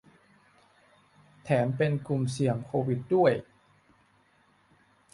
แถมเป็นกลุ่มเสี่ยงโควิดด้วย